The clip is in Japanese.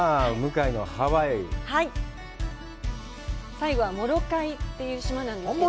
最後はモロカイという島なんですけど。